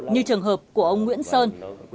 như trường hợp của ông nguyễn sơn